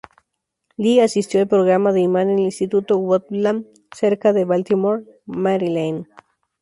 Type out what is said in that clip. Lee asistió al programa de imán en el Instituto Woodlawn cerca de Baltimore, Maryland.